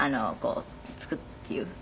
つくっていう。